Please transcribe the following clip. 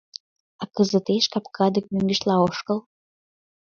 А кызытеш капка дек мӧҥгешла ошкыл.